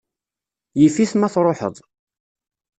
Yif-it ma tṛuḥeḍ.